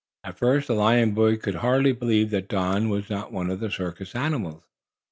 At first the lion boy could hardly believe that Don was not one of the circus animals.